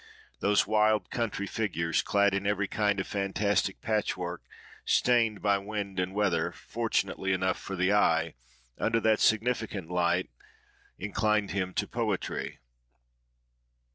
Those wild country figures, clad in every kind of fantastic patchwork, stained by wind and weather fortunately enough for the eye, under that significant light inclined him to poetry.